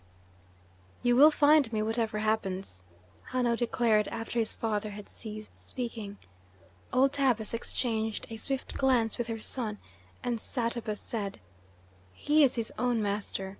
"You will find me, whatever happens," Hanno declared after his father had ceased speaking. Old Tabus exchanged a swift glance with her son, and Satabus said: "He is his own master.